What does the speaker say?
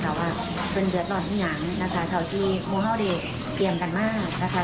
เพราะว่าเป็นเยอะต่อที่หยางนะคะเท่าที่มัวเท่าเด็กเตรียมกันมากนะคะ